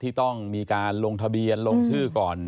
ที่ต้องมีการลงทะเบียนลงชื่อก่อน